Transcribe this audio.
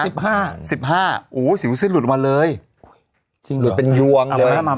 ๑๕๑๕สิ่งที่ผู้ชิดหลุดมาเลยถึงหลุดเป็นยวงเลย